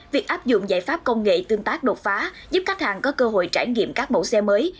việc áp dụng giải pháp công nghệ tương tác đột phá giúp khách hàng có cơ hội trải nghiệm các mẫu xe mới